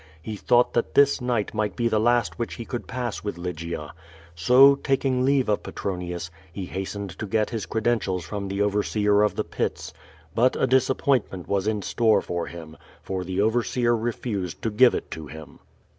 He thought that this night might be the last which he could pass with Lygia. So, taking leave of Petro nius, he hastened to get his credentials from the overseer of the Pits. But a disappointment was in store for him, for the overseer refused to give it to him.